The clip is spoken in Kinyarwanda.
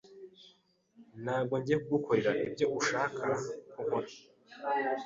Ntabwo ngiye kugukorera ibyo ushaka ko nkora.